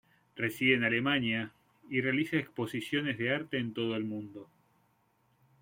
Reside en Alemania, y realiza exposiciones de arte en todo el mundo.